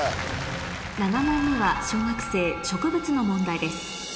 ７問目は小学生植物の問題です